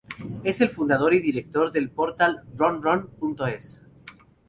Es fundador y director del portal Runrun.es.